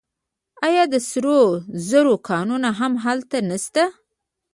آیا د سرو زرو کانونه هم هلته نشته؟